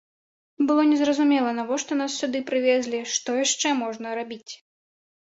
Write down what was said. Было незразумела, навошта нас сюды прывезлі, што яшчэ можна рабіць.